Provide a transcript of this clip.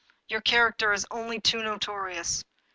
Your character is only too notorious